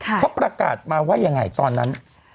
เขาประกาศมาว่ายังไงตอนนั้น